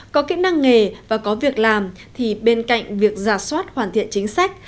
có kỹ năng nghề và có việc làm thì bên cạnh việc giả soát hoàn thiện chính sách